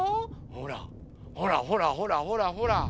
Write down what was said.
ほらほらほらほらほら。